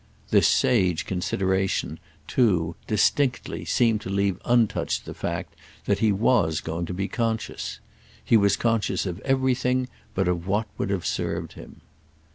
This sage consideration too, distinctly, seemed to leave untouched the fact that he was going to be conscious. He was conscious of everything but of what would have served him.